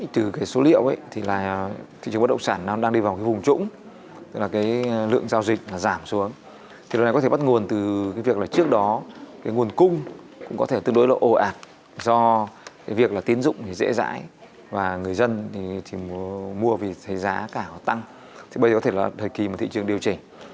thì bây giờ có thể là thời kỳ mà thị trường điều chỉnh